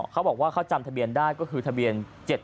เขาบอกว่าเขาจำทะเบียนได้ก็คือทะเบียน๗๗